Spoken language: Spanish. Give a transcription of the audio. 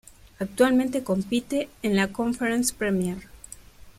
Actualmente compite en la Conference Premier.